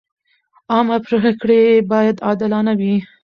عامه پریکړې باید عادلانه وي.